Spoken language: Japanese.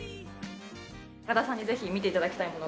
高田さんにぜひ見て頂きたいものが。